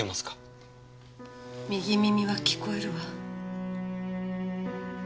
右耳は聞こえるわ。